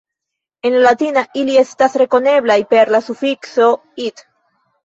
En la latina ili estas rekoneblaj per la sufikso "-it".